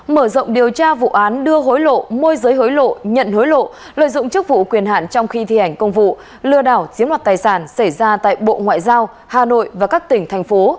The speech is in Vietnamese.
mở rộng điều tra vụ án đưa hối lộ môi giới hối lộ nhận hối lộ lợi dụng chức vụ quyền hạn trong khi thi hành công vụ lừa đảo giếm mặt tài sản xảy ra tại bộ ngoại giao hà nội và các tỉnh thành phố